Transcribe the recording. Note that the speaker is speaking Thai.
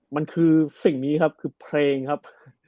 มันคือสิ่งนี้ครับคือเพลงครับ